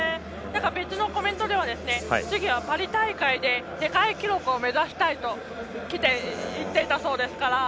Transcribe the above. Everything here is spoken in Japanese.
別のコメントでは次はパリ大会で世界記録を目指したいと言っていたそうですから。